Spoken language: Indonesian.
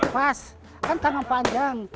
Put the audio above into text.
pas kan tangan panjang